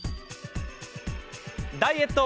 ダイエット